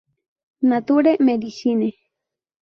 Nature Medicine.